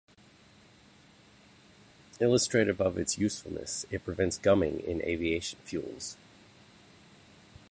Illustrative of its usefulness, it prevents gumming in aviation fuels.